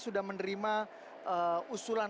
sudah menerima usulan